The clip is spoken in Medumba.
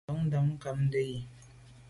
Bo tam ngàmndà yi.